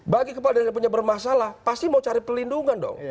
bagi kepala daerah yang punya bermasalah pasti mau cari pelindungan dong